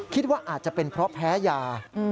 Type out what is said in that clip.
คิดว่าอาจจะเป็นเพราะแพ้ยา